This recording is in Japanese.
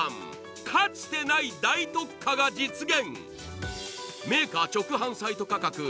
かつてない大特価が実現。